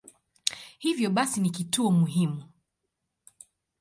Hivyo basi ni kituo muhimu.